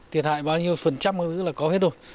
thiệt hại bao nhiêu phần trăm là có hết rồi